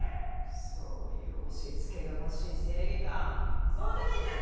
そういう押しつけがましい正義感宗太兄ちゃん